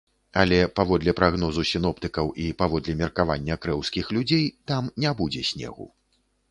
Але, паводле прагнозу сіноптыкаў і паводле меркавання крэўскіх людзей, там не будзе снегу.